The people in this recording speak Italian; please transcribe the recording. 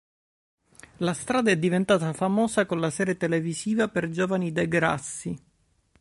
La strada è diventata famosa con la serie televisiva per giovani Degrassi.